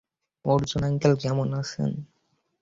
Arjun uncle কেমন আছেন?